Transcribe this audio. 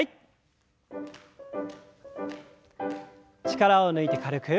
力を抜いて軽く。